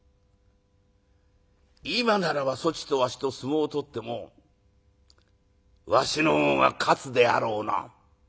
今ならばそちとわしと相撲を取ってもわしの方が勝つであろうな」。